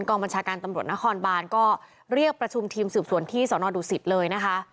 บัญชาการตำรวจนครบานก็เรียกประชุมทีมสืบสวนที่สนดุสิตเลยนะคะ